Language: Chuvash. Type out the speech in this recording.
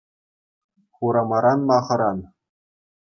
Хурамаран ма хӑран?